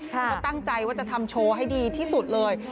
เขาก็ตั้งใจว่าจะทำโชว์ให้ดีที่สุดเลย